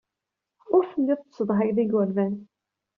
Ur telliḍ tessedhayeḍ igerdan.